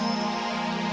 ya ampun terseraklah